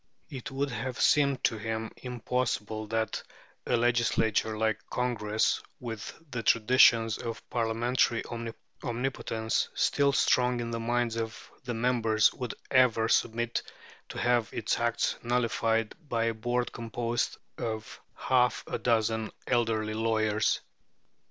It would have seemed to him impossible that a legislature like Congress, with the traditions of parliamentary omnipotence still strong in the minds of the members, would ever submit to have its acts nullified by a board composed of half a dozen elderly lawyers.